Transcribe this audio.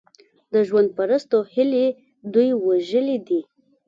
د ژوند پرستو هیلې دوی وژلي دي.